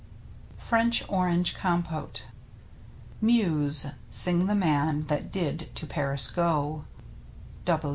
[^^ FRENCH ORANGE COMPOTE Muse, sing the man that did to Paris go.